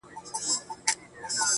• كړۍ ،كـړۍ لكه ځنځير ويـده دی.